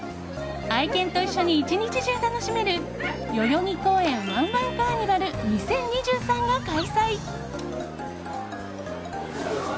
愛犬と一緒に１日中楽しめる代々木公園わんわんカーニバル２０２３が開催。